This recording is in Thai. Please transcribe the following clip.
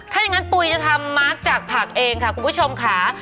ถ้าอย่างนั้นปุ๋ยจะทำมาร์คจากผักเองค่ะคุณผู้ชมค่ะ